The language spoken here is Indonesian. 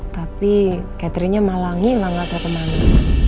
tapi catherinenya malangin lah gak terkemanin